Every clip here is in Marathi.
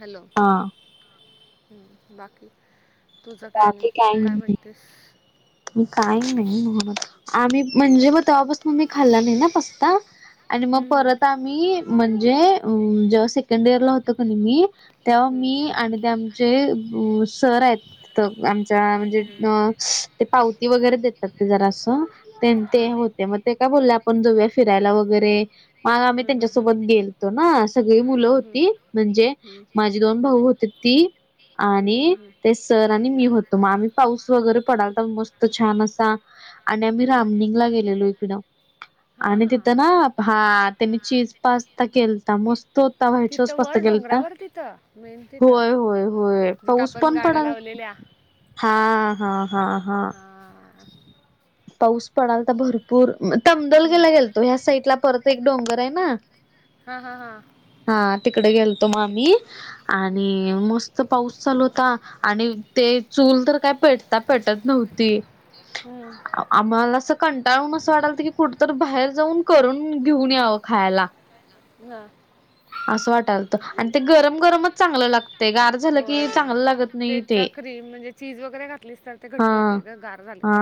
हॅलो हां हम् बाकी तुझ काय नाही बाकी तू काही काय नाही म्हणतेस मी काही नाही म्ह आम्ही म्हणजे हं? मग तेव्हापासून मी खाल्ला नाही ना पस्ता आणि मग हं, परत आम्ही म्हणजे जेव्हा सेकंड इयर ला होतो काणी मी तेव्हा हं, हं. मी आणि ते आमचे सर आहेत आमच्या म्हणजे हं. अ ते पावती वगैरे देतात ते जरा असं ते हां. ते मग ते काय बोलले आपण जाऊया फिरायला वगैरे मग आम्ही हं, हं, हं. त्यांच्यासोबत गेल ना सगळी मुलं हं, हं, हं. होती म्हणजे माझी दोन भाऊ होते ती हं, हं, आणि हं. ते सर आणि मी होतो मग आम्ही पाऊस वगैरे पडाल मस्त छान असा आणि आम्ही हं. रामनिंगला गेलेलो इकडं आणि हां. तिथं ना हा त्यानी चीज पास्ता केलता मस्त तिथं ईटत वर ग डोंगरावर तिथं होय होय होय पा पण गाड्या लावलेल्या हा हा हा हा हा पाऊस पडल तर भरपूर पूर तमदोल हम्म गेला गेलतो ह्या साईड ला परत एक डोंगर आहे ना हा हा हा हा तिकडे गेलतो आम्ही आणि हम्म मस्त पाऊस चालू होता आणि ते चूल तर काय पेटता पेटत नव्हती हम्म आम्हाला अस कंटाळून असं वाटाल की कुठ तर बाहेर जाऊन करून घेऊन यावं खायला हा असं वाटाल तर आणि ते गरम गरमच चांगलं लागते गार झालं की चांगलं लागत नाही ते क्रीम म्हजे चीज वगैर घातलीतात हा हा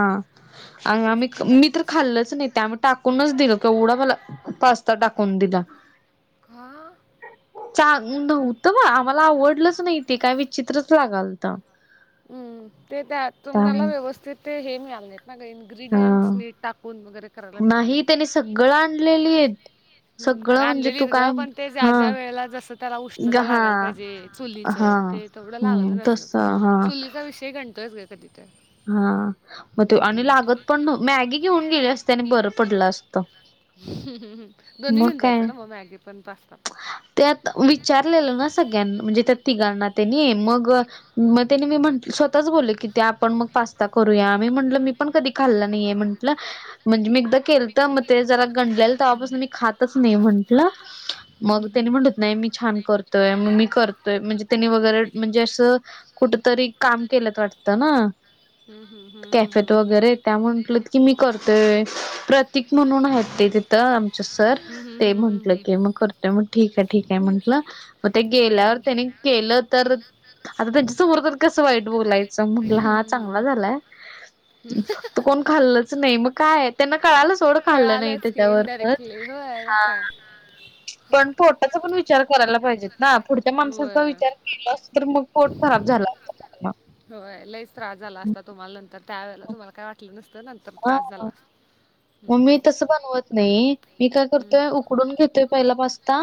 आणि आ म टेस्ट पण मी तर जातेच खाल्लच नाही त्या आमही टाक टाूनच दिलं किवढा मला पास्ता टाकून दिला हा चांगधऊत ब आम्हाला आवडलंच नाही ते काय विचित्रच लागाल तर हम्म ते त्या तुम्हाला व्यवस्थित ते हे मी आणत ना काही हा इ््रीडियंट्सनीी टाकून वगैरे करायला नाही मिळाले त्याने सगळं आणलेली आहेत ह सगळं म्हणजे तू रालेलीत ग काय पण ते ज्या हा ज्या वेळेला जस त्याला उष्णता ग- हा लागायला पाहिजे चुलीच हा ते तेवढं लागलं हम्म नस तस हा चुलीचा विषय ते घंटंच घ की तर हा मग ते आणि लागत पण मॅगी घेऊन गेले असते आणि बरं पडलं असतं ह हम दोन्ही मग घऊन काय जायचं ना मग मॅगी पण पास्ता पण त्यात विचारलेलं ना सगळ्यां म्हणजे त्या तिघण ना त्यानी मग मग त्यानी मी म्हट स्वतःच बोलल की ते पण मग पास्ता करूया म म्हटलं मी पण कधी खाल्लं नाहीे म्हटलं म्हणजे मी एकदा केल तर मग ते जरा गंडले तेव्हापासून मी खातच नाही म्हंटलं हम्म, मग हम्म, हम्म. त्यानी म्हणटत नाही मी छान करतोय मग मी करतोय म्हणजे त्यांनी वगैरे म्हणजे असं कुठ तरी काम केलत वाटतं ना हम हम कॅफेत वगैरे त्या म्हटल की मी करतेोय प्रत्य तिक म्हणून आहेत ते तिथं आमचं सर हम्म, हम्म, ते हम्म, हम्म, म्हटलं हम्म. की मग करतोय मग ठीक आहे ठीक आहे म्हंटलं मग ते गेल्यावर हम्म, त्यानी केलं तर आता त्यांच्या समोर कसं वाईट बोलायचं मग ल हम्म. हात चांगला हम्म. झालाय फक्त कोण खाल्लंच नाही मग काय त्यांना कळाला सोडं खाल्लं नाही कळालंच की त्याच्यावर इनडायरेक्टली होय मग हा काय पण पोटाचा पण विचार करायला पाहिजे ना पुढच्या माणसाचा होय विचार केला अस तर मग पोट खराब झाला हो लईच त्रास झाला असता तुम्हाला नंतर त्या वेळेला तुम्हाला काय वाटलं नसतं नंतर त्रास हा झाला मग हम्म, मी तस बनवत नाही मी काय हम्म. करतोय उकडून घेतोय पहिला पाचता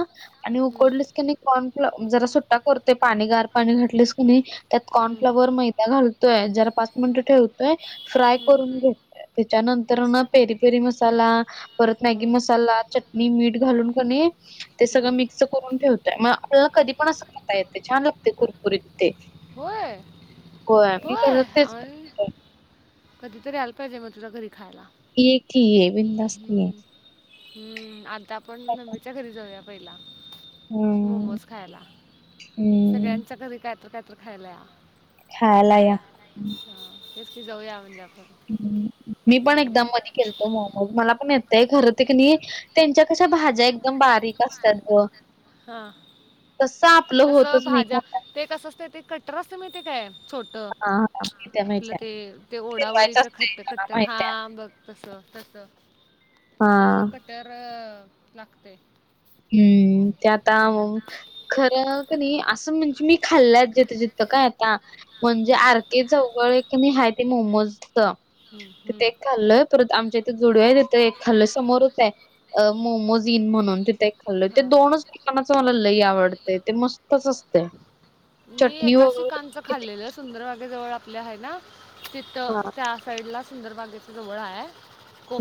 आणि हम्म. कोडलीस की नाही कॉर्नफ्ल जरा सुट्टा करते पाणी गार पाणी घातलीस कु नाही त्यात हम्म, कॉर्नफ्लॉवर मैदा घालत य जरा पाच मिनटं ठेवतोय फ्राय हम्म. करून घेत त्याच्यानंतर ना पेरी पेरी मसाला परत मॅगी हम्म. मसाला चट मी मीठ घालून कणे ते सगळं हम्म. मिक्स करून ठेवतो मग आपल्याला कधी पण असं पाता येते छान लागते कुरकुरीत ते होय कोमी होय करतेच आणि कधीतरी आला पाहिजे मग तुझला घरी खायला एक ठी आहे बिनंदस्ती आहे हम्म. हम्म आता आपण नबमीच्या घरी जाऊया पहिला हम्म मोमोज खायला हम्म. सगळ्यां चकरी कायत कायत खायला या खायला या. जाऊया क जाऊया हिजप मी पण एकदाम मध खेलतो मग मग मला पण येतय खरं तर क नाही त्यांच्या कशा भाज्या एकदम बारीक असतात ग हां तर साप तसं भाज्या ते कसं असते ते कटर असते मिळ ते काय छोट हा माहित्या आपलं माहित्या ते ते फिरवायचं ओडाओडीच खट असतंय खट्टर हा माहित्या बघ तस तस हा तस कटर लागते हम्म ते आता मग खरं क नाही असं म्हणजे मी खाल्ल्यात जथ काय आता म्हणजे हम्म, आर के चौघळ नाही आहे ते मोमोजच हम्म, तिथ हम्म. एक खाल्लय परत आमच्या इथे जोडव आहे तिथ एक खाल्लं समोरच आहे मोमोज जन म्हणून तिथे खाल्ल ते हां दोनच ठिकाणाच मला लई आवडते ते मस्तच असते मी एका शिकांचं खाल्लेलं सुंदरवागे जवळ आपल्या आहे ना तिथ हा त्या साईड ला सुंदरबागेच जवळ आहे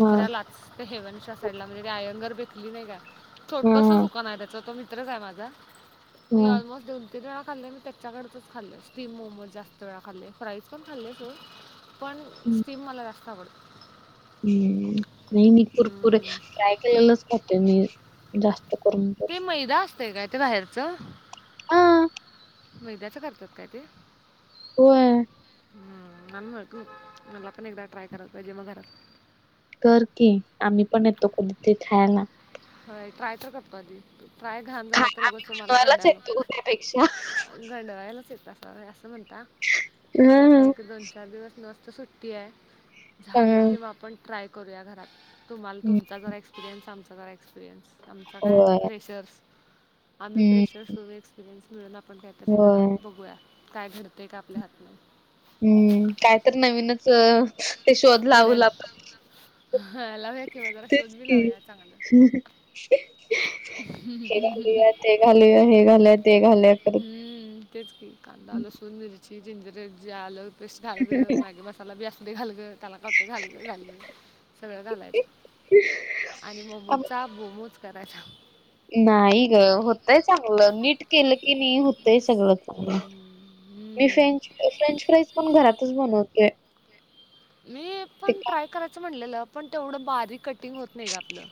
हा हा. हेवनच्या साईडला म्हणजे ते आयंगर बेकली नाही काय छोटंस हा दुकान आहे त्याच त मी माझ मी हा. ऑलमोस्ट दोन तीन वेळा खाल् त्याच्याकडेच खाल्लंय स्टीम मोमोज जास्त वेळा खल्ले फाईज पण खाल्लेय स पण स्टीम मला जास्त आवड हम्म नाही मी पुरपूर हम्म. फ्राय केलेलंच खाते मी जास्त करून तर ते मैदा असतय काय ते बाहेरच हा मैद्याच करतात काय ते हो हम्म नन मला पण एकदा ट्राय करत पाहिजे मग घरात कर की आम्ही पण येतो कुध ते खायला हय ट्राय तर करतो आधी ट्राय घाण झाला तर उगं तमला खायनवायलाच गंडाला येतो त्यापेक्षा घंडवायलाच येत स असं म्हणता ठीक आता हम्म एक दोन चार दिवस नसत सुट झाली हम्म तेव्हा आपण ट्राय करूया घरात तुम्हाला तुमचा जर एक्सपिरियन्स आम क्पिरियनस आम होय कायेशर्स आम्ही हम्म प्रेशर्स एक्सपिरियन्स मिळ आपण काहीतरी जरा होय. बघूया काय घडतय का आपल्या हातन हम्म काय तर नवीनच ते शोध घडल लावला पण ह लावूया किंवा जरा तेच शोध की. लावूया चांगला हे घालिया ते घालिया हे घालया हम्म तेच खांदा लसुन मिर्ची जिंजर जल पेस्ट घाल ग मागे मसाला बी असते घाल ग त्याला कते घाल ग घाल ग सगळं घालायचं आणि अब- ममचा बोमोज करायचा नाही ग होतय चांगलं नीट केलं की नाही होत सगळ हम्म, मी हम्म. फ्रेंच फ्रेंच फ्राईज पण घरात त म्हणवते. मी पण ट्राय करायचं म्हणलेलं पण तेवढं बारीक कटिंग होत नाही ग आपलं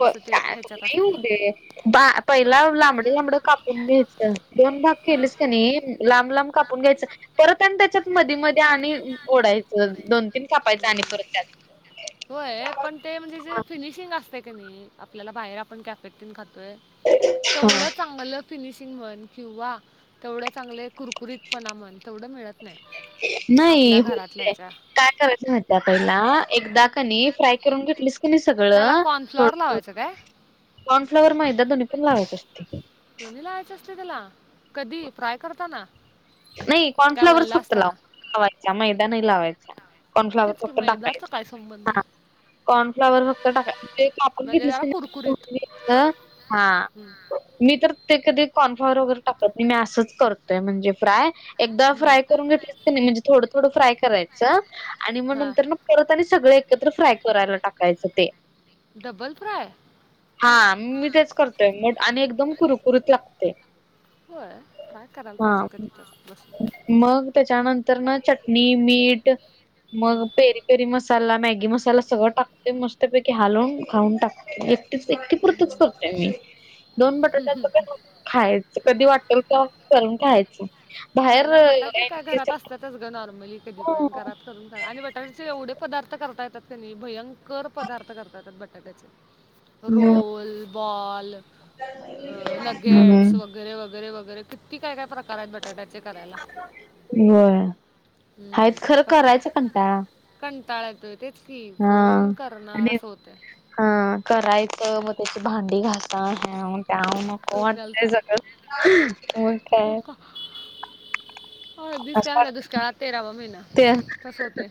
जसं ते. ह्याच्यात येऊ असतं दे. बा पहिला लांबड लांबड कापून घ्यायच दोन भाग हा केलेस का नाही. लांब लांब कापून घ्यायचं परत आणि त्याच्यात मधी मध्ये आणि ओढायचं दोन. खापायचा आणि हम्म. परत त्यात. होय पण ते म्हणजे जे फिनिशिंग असतय क नाही आपल्याला बाहेर आपण कॅफेन खातोय. हा. तेवढं चांगलं फिनिशिंग म्हण किंवा तेवढ चांगले. कुरकुरीत पणा म्हण तेवढं मिळत नाही नाही आपल्या घरात होतय. लहायच्या. काय करायचं म्हत आपैला एकदा हम्म. कनी फ्राय करून घेतलीस क नाही सगळं. फ्लोरलावाचत. कॉर्नफ्लवर मैदा धो्नी पण लावत असते. दो्नी लाहायचे असते त्याला कधी फ्राय करताना. नाही काय कॉर्नफ्लॉवरच वल्ला फक्त लाव असताना लावायचा मैदा नाही लावायचा. कॉर्नफ्लावर तेच की फक्त मैदाचा टाकायच काय संबंध ह. कॉर्नफ्लॉवर फक्त टाका म्हणजे जरा म्हजेण कुरकुरीत घेतले हा. हम्म. मी तर ते कधी कॉर्नफ्लावर वगैरे टाकत नाही मी असंच करतोय म्हणजे फ्राय. एकदा हम्म. फ्राय करून घेतली नाही म्हणजे थोडं थोडं फ्राय करायचं आणि मग हा नंतर. करत आणि सगळे एकत्र फ्राय करायला टाकायचं ते. Double fry. हा मी तेच करतोय मग आणि एकदम कुरकुरीत लागते. होय ट्राय करायला हा. पाहिजे कधी तर बसून. मग त्याच्यानंतर ना चटणी मीठ मग हम्म. पेरी पेरी मस्त. मसाला मॅगी मसाला सगळं टाकते मस्तपैकी हालवून खाऊन टाकते. एकटे पुरतच हम्म. करतोय मी दोन बटाट्याच. खायच कधी वाटेल का करलून खायचं. हा बाहेर ना बटाटे काय घरात असतातच ग नॉर्मली कधीपात. कर आणि बटाट्याचे एवढे पदार्थ करता येतात क भयंकर पदार्थ करता येतात बटाट्याचे. हम्म. रोोल बॉल अ नगेट्स हम्म वगैर. वगैरे वैे वगैरे किती काय काय प्रकार. ताट्याचे करायला होय. हम्म आहेत खरं फक्त. करायचा कंटाळा. कंटाळा येतोय ते फ हा पण आणि करणारस होते. हा करायच मग त्याची भांडी घालता ह्यान त्याहून. म डोक्याला वाट सग ताप मग काय. हो असं दष्काळ म्ह वाटत दुष्काळ तेरावा महिना तस होते.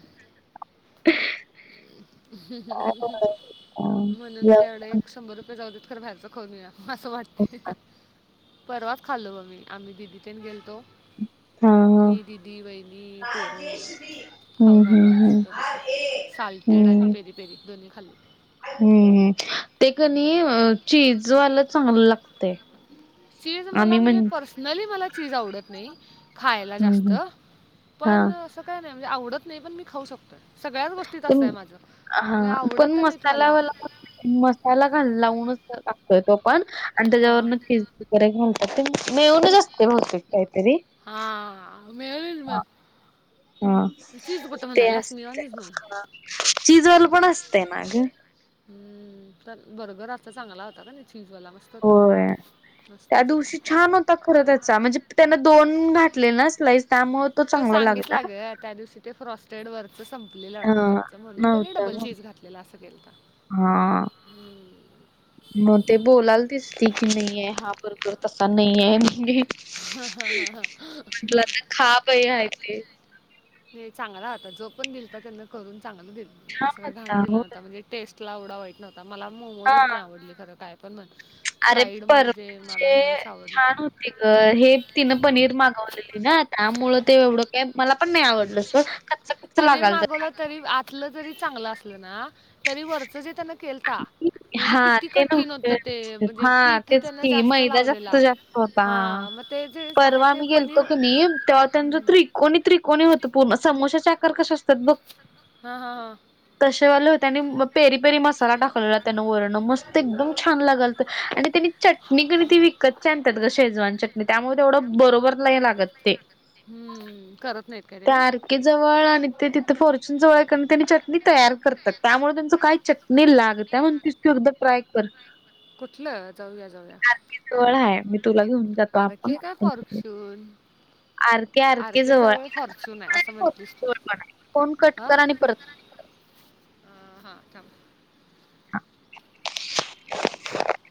ह. म्हणून त्यावढ एक शंभर रुपये जाऊ देत खरं भहेरचं खोनया. असं वाटते परवाच खाल्लो म मी आम्ही दिदी तेन गेलतो. हा मी दिदी वहिणी पोर हम्म खाऊन आलो हम्म हम्म मस्त बैकी. साल्टेड आणि पेरी पेरी दोन्ही खाल्ले. ह् ते कनी चीजवाला चांगलं लागत. चीज मला म्हणजे पर्सनली मला चीज आवडत नाही. खायला जास्त हा पण असं काय नाही म्हणजे आवडत नाही पण मी खाऊ शकतोय. सगळ्याच गोष्टीत असतं आहे माझं हा मी पण आवडत नाहीत मला. मसालावाला मसाला घा लावूनच टाकतोय तो आपण आणि हां त्याच्यावरनिज. वगैरे घेणतात ते मेळन जा असते भवते काहीतरी. हा मिळेल मग. हा ते म्हणाल्यास असते मेयोनीज म्हण चिजवाल पण असते ना ग. हम् तर बरोगर आता चांगला होता का नाही चीजवाला मस्त. हो होता त्या मस्तच होता दिवशी छान होता खर त्याचा म्हणजे त्यांना दोन घातले ना. लाईस त्यामुळे तो चांगला लागत सांगितला ग त्या दिवशी ते फ्रॉस्टेड वरच संपलेलं हा वाटतं त्यांचं म्हणून त्यानी नव्हता डबल मग. चीज घातलेला असं केल तर हा आणि मग ते बोलाला दिसती की नाहीये हा भरपूर तसा नाहीये म्हटलं आता खा पही ह ते चांगला होता जो पण दिल त्यांना करून चांगलं दिल छान असं काही होता घण दिलं हो नव्हता म्हणजे टेस्ट ला एवढा वाईट नव्हता मला हा मोमोजच नाही आवडली खरं काय पण म्हण अरे फ्राईड म्हणजे म नाही साव त हे तिनं पनीर मागवलेली ना त्यामु ते एवढं मला पण नाही आवडलं स कच्च कच्च पनीर लागाल मागवलं तरी आतलं जरी चांगलं असलं ना तरी वरचं जे त्यांना केलता म्हणजे हा किती ते कठीण नकते होतं ते म्हणजे हा पीठ तेच त्यानं क जास्त मैदा जास्त लावलेला जास्त ह हा मग ते जे आहे परवा ते मी गेलतो पनीर की नाही तेव्हा त्यांच हम्म त्रिक कोणीतरी कोणी होतं पूण समोश्याचे आकार कसे असतात हा हा हा तसेवालं हो त्यानी पेरी पेरी मस् मला टाकला त्या वरण मस्त एकदम छान लागल आणि त्यानी चट क व कच्च्या अंतात शेजवान चटणी त्यामुळे तेवढं बरोबरला लागत ते करत नाहीत का त्या त्याने जवळ आणि ते तिथे फॉर्च्यून जवळ त्यांनी चटणी तयार करतात त्यामुळे त्यांचं काय च नाही लागत म्हण त तू एकदा ट्राय कर कुठलं जाऊया जाऊया ळ आहे मी तुला घेऊन जातो अर आपण के काय करकसून आरके आर आरके केे जवळ आरके फॉर्च्युून आहे जवळ असं आणि फोन म्हटलीस तू जवळ पण आहे. फोन कट हा कर आणि परत ह हा म [unintelligible]